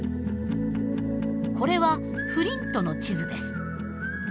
これはフリントの地図です。